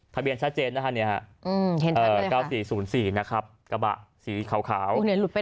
ทะเบียนชัดเจนนะครับ๙๔๐๔กระบะสีขาว